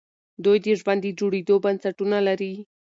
دوی د ژوند د جوړېدو بنسټونه لري.